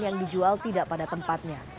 yang dijual tidak pada tempatnya